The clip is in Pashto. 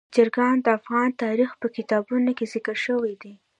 چرګان د افغان تاریخ په کتابونو کې ذکر شوي دي.